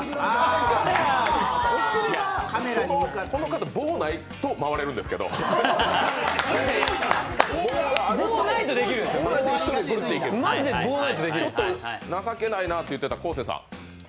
この方、棒がないと回れるんですけどちょっと情けないなと言ってた昴生さん。